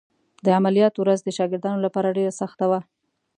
د عملیات ورځ د شاګردانو لپاره ډېره سخته وه.